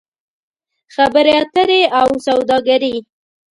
خبرې اترې او سوداګري